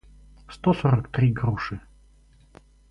сто сорок три груши